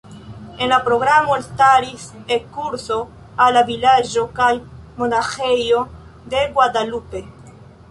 En la programo elstaris ekskurso al la vilaĝo kaj monaĥejo de Guadalupe.